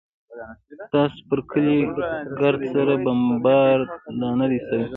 ستاسو پر کلي ګرد سره بمبارد لا نه دى سوى.